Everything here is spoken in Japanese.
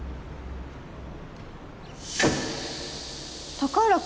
高浦君